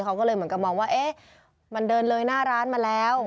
เขาก็เลยเหมือนกับมองว่าเอ๊ะมันเดินเลยหน้าร้านมาแล้ว